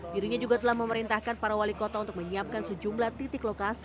dirinya juga telah memerintahkan para wali kota untuk menyiapkan sejumlah titik lokasi